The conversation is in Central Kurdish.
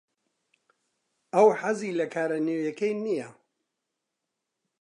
ئەو حەزی لە کارە نوێیەکەی نییە.